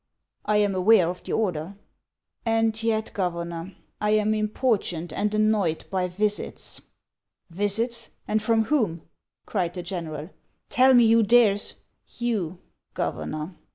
" I am aware of the order." " And yet, Governor, I am importuned and annoyed by visits." " Visits ! and from whom ?" cried the general ;" tell me who dares —"" You, Governor."